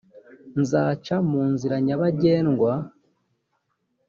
nzaca mu nzira nyabagendwa